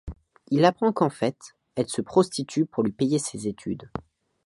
Il apprend qu'en fait, elle se prostitue pour lui payer ses études.